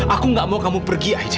aku gak mau kamu pergi aja